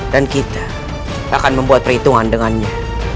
dan kita akan membuat perhitungan dengannya